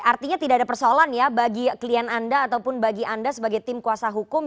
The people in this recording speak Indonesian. artinya tidak ada persoalan ya bagi klien anda ataupun bagi anda sebagai tim kuasa hukum